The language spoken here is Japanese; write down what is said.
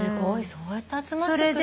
そうやって集まってくるんだ。